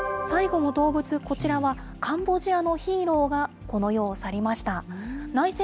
最後の動物、こちらはカンボジアのヒーローがこの世を去りました。